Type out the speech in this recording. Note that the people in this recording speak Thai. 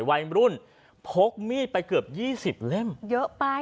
วัยรุ่นพกมีดไปเกือบยี่สิบเล่มเยอะไป